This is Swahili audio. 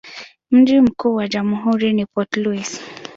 Mji mkuu wa jamhuri ni Port Louis.